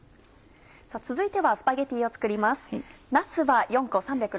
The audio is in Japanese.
続いてはスパゲティを作ります。